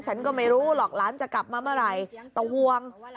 ฉันก็ไม่รู้หรอกหลานจะกลับมาเมื่อไหร่ต้องห่วง